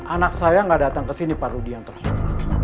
anak saya gak datang kesini pak rudi yang terhormat